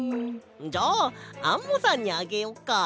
じゃあアンモさんにあげよっか。